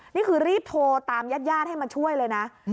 นี่คือรีบโทรตามญาติญาติให้มาช่วยเลยนะ